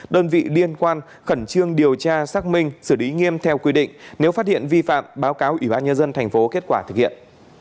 đơn vị liên quan khẩn trương điều tra xác minh xử lý nghiêm theo quy định nếu phát hiện vi phạm báo cáo ubnd tp kết quả thực hiện